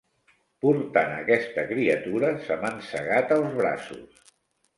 Portant aquesta criatura se m'han segat els braços.